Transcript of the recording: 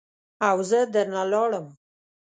او زه در نه لاړم.